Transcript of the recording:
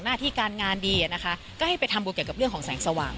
หน้าที่การงานดีนะคะก็ให้ไปทำบุญเกี่ยวกับเรื่องของแสงสว่าง